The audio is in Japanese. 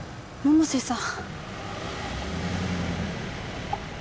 百瀬さん